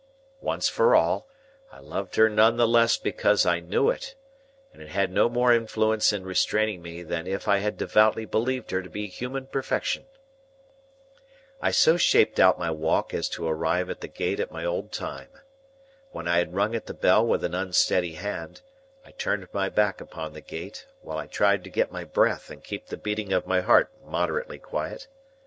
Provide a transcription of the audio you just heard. Once for all; I loved her none the less because I knew it, and it had no more influence in restraining me than if I had devoutly believed her to be human perfection. I so shaped out my walk as to arrive at the gate at my old time. When I had rung at the bell with an unsteady hand, I turned my back upon the gate, while I tried to get my breath and keep the beating of my heart moderately quiet.